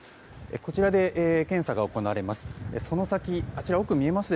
こちらで検査が行われます。